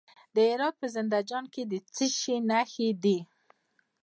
د هرات په زنده جان کې د څه شي نښې دي؟